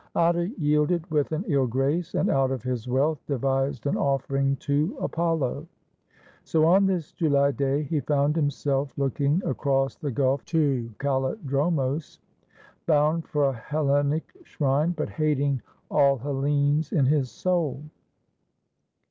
Atta yielded with an ill grace, and out of his wealth devised an offering to Apollo. So on this July day he found himself looking across the gulf to KaUidromos bound for a Hellenic shrine, but hating all Hellenes in his soul.